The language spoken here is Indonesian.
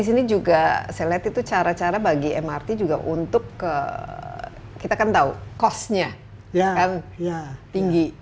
saya lihat itu cara cara bagi mrt juga untuk kita kan tahu cost nya tinggi